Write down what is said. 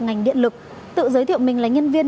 ngành điện lực tự giới thiệu mình là nhân viên